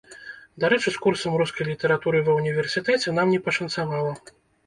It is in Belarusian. Дарэчы з курсам рускай літаратуры ва ўніверсітэце нам не пашанцавала.